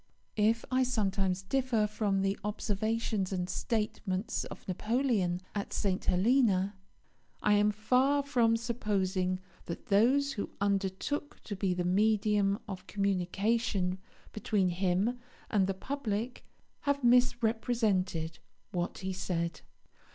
If I sometimes differ from the observations and statements of Napoleon at St. Helena, I am far from supposing that those who undertook to be the medium of communication between him and the public have misrepresented what he said.